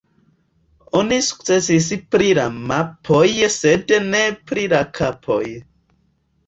Oni sukcesis pri la mapoj sed ne pri la kapoj.